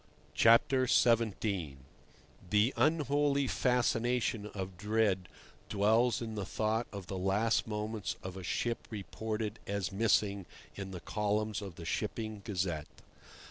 XVII. The unholy fascination of dread dwells in the thought of the last moments of a ship reported as "missing" in the columns of the Shipping Gazette.